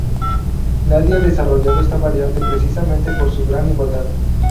Nadie ha desarrollado esta variante precisamente por su gran igualdad.